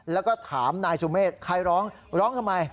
แล้วก็ถามนายสุเมฆใครร้องร้องทำไม